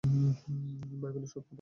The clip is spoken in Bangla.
বাইবেলের সব কথাবার্তা।